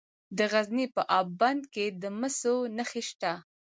د غزني په اب بند کې د مسو نښې شته.